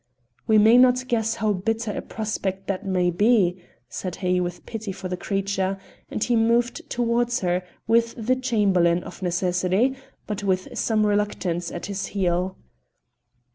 "We may not guess how bitter a prospect that may be," said he with pity for the creature, and he moved towards her, with the Chamberlain, of necessity, but with some reluctance, at his heel.